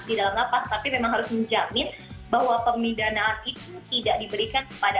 di dalam lapas tapi memang harus menjamin bahwa pemidanaan itu tidak diberikan kepada